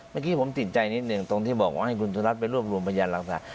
เมื่อกี้ผมติดใจนิดหนึ่งตรงที่บอกว่าให้คุณสุรัสไปรวบรวมพยานหลักฐาน